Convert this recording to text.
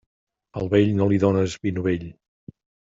Al vell, no li dónes vi novell.